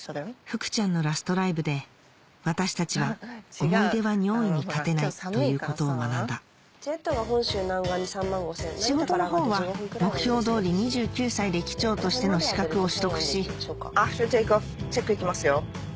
福ちゃんのラストライブで私たちは思い出は尿意に勝てないということを学んだ仕事のほうは目標通り２９歳で機長としての資格を取得しアフターテイクオフチェックいきますよ。